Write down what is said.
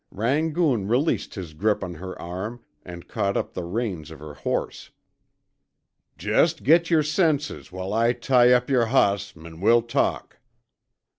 Rangoon released his grip on her arm, and caught up the reins of her horse. "Jest git yer senses while I tie up yer hoss, an' we'll talk."